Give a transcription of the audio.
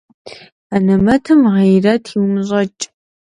Анэмэтым гъейрэт иумыщӀэкӀ.